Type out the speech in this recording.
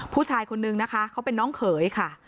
ผู้ชายคนนึงนะคะเขาเป็นน้องเขยค่ะ